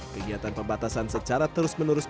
kegiatan pembatasan secara terus menerus